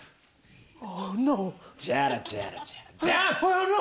ジャラジャラジャラジャンプ！